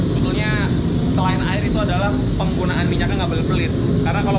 butuhnya selain air itu adalah penggunaan minyaknya nggak belit belit karena kalau